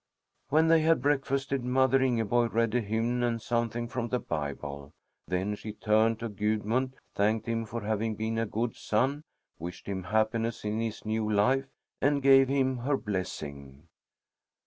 When they had breakfasted, mother Ingeborg read a hymn and something from the Bible. Then she turned to Gudmund, thanked him for having been a good son, wished him happiness in his new life, and gave him her blessing.